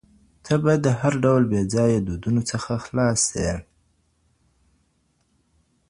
ته باید د هر ډول بې ځایه دودونو څخه خلاص سې.